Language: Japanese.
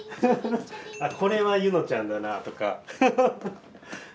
これはゆのちゃんだなとか。